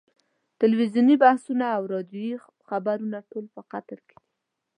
تلویزیوني بحثونه او راډیویي خبرونه ټول پر قطر دي.